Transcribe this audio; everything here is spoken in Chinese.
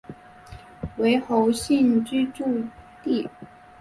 为侯姓集居区。